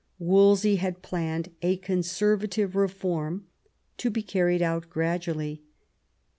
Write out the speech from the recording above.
Wolsey had planned a conservative reform, to be carried out gradually.